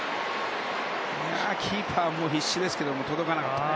キーパーも必死ですけど届かなかったね。